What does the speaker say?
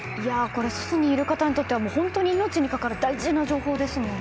基地にいる方にとっては命に関わる大事な情報ですもんね。